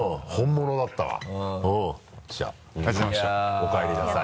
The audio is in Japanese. お帰りなさい。